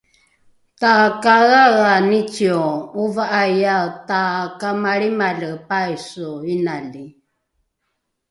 takaeaea nicio ova’aiae takamalrimale paiso inali